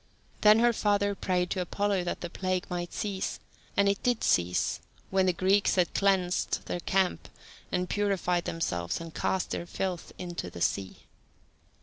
Then her father prayed to Apollo that the plague might cease, and it did cease when the Greeks had cleansed their camp, and purified themselves and cast their filth into the sea.